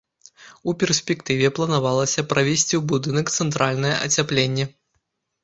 У перспектыве планавалася правесці ў будынак цэнтральнае ацяпленне.